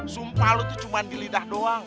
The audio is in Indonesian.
sumpah lu itu cuma di lidah doang